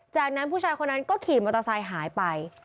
จากนั้นผู้ชายคนนั้นก็ขี่มอเตอร์ไซค์หายไป